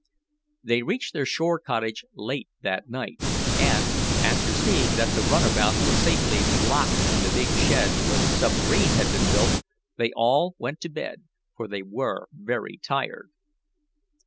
They reached their shore cottage late that night, and, after seeing that the runabout was safely locked in the big shed where the submarine had been built, they all went to bed, for they were very tired.